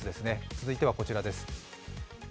続いてはこちらです。